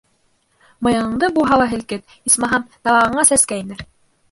Мыйығыңды булһа ла һелкет, исмаһам, талағыңа Сәскә инер.